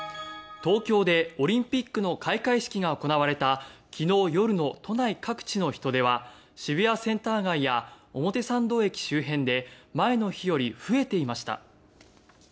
東京でオリンピックの開会式が行われた昨日夜の都内各地の人出は渋谷センター街や表参道駅周辺で前の日より増えていました。